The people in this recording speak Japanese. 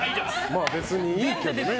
まあ別にいいけどね。